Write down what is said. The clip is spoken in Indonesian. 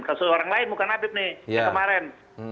kasus orang lain bukan habib nih yang kemarin